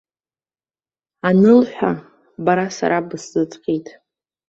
Анылҳәа, бара сара бысзыҵҟьеит.